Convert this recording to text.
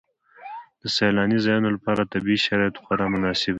د سیلاني ځایونو لپاره طبیعي شرایط خورا مناسب دي.